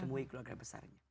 temui keluarga besarnya